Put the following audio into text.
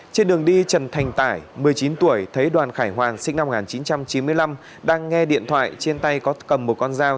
trên đường đi trần thành tải một mươi chín tuổi thấy đoàn khải hoàn sinh năm một nghìn chín trăm chín mươi năm đang nghe điện thoại trên tay có cầm một con dao